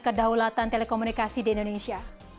kedaulatan telekomunikasi di indonesia